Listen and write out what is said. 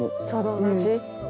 ちょうど同じ？